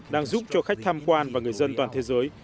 đang giúp cho khách tham quan và người dân toàn thế giới